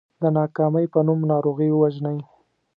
د ناکامۍ په نوم ناروغي ووژنئ .